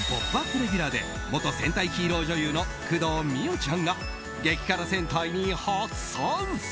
レギュラーで元戦隊ヒーロー女優の工藤美桜ちゃんが激辛戦隊に初参戦。